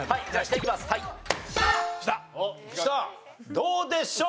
どうでしょう？